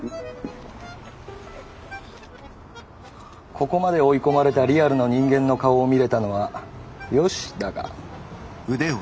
ここまで追い込まれたリアルな人間の顔を見れたのは良しだが。